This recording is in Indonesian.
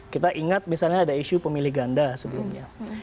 kita ingat misalnya ada isu pemilih ganda sebelumnya